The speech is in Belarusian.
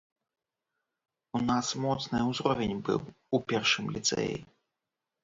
У нас моцны ўзровень быў у першым ліцэі.